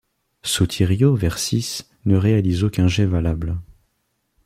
Sotírios Versís ne réalise aucun jet valable.